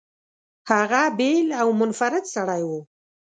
هغه بېل او منفرد سړی و.